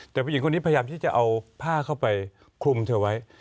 แต่ผู้หญิงคนนี้พยายามที่จะเอาผ้าเข้าไปคลุมเธอไว้